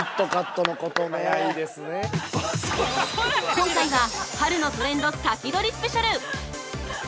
◆今回は、春のトレンド先取りスペシャル！